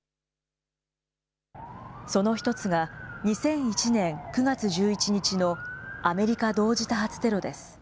その１つが、２００１年９月１１日のアメリカ同時多発テロです。